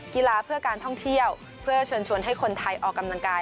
กีฬาเพื่อการท่องเที่ยวเพื่อเชิญชวนให้คนไทยออกกำลังกาย